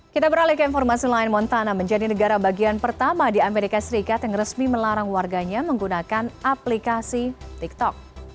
kita beralih ke informasi lain montana menjadi negara bagian pertama di amerika serikat yang resmi melarang warganya menggunakan aplikasi tiktok